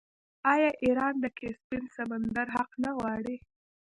آیا ایران د کسپین سمندر حق نه غواړي؟